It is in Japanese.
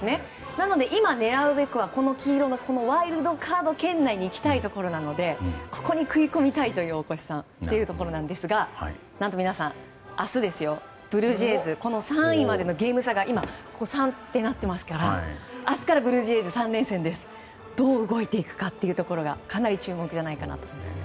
なので今、狙うべきは黄色のワイルドカード圏内に行きたいところなのでここに食い込みたい大越さん、そういうところですが何と皆さん、明日ブルージェイズ、３位までのゲーム差が３となっていますから明日からブルージェイズ３連戦どう動いていくかがかなり注目じゃないかなと思いますね。